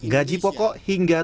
gaji pokok hingga kemampuan